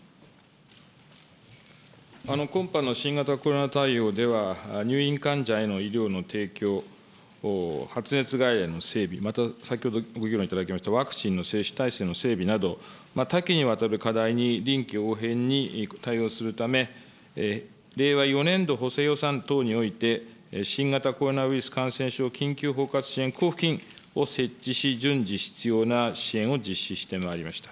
今般の新型コロナ対応では、入院患者への医療の提供、発熱外来の整備、また先ほどご議論いただきましたワクチンの接種体制の整備など、多岐にわたる課題に臨機応変に対応するため、令和４年度補正予算等において、新型コロナウイルス感染症緊急包括支援交付金を設置し、順次、必要な支援を実施してまいりました。